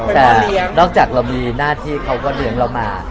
แต่นอกจากเรามีหน้าที่เขาก็เลี้ยงเรามา